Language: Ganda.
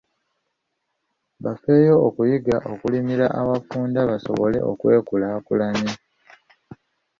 Bafeeyo okuyiga okulimira awafunda basobole okwekulaakulanya .